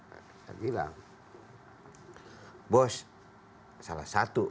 saya bilang bos salah satu